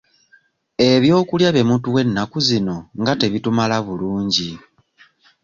Ebyokulya bye mutuwa ennaku zino nga tebitumala bulungi?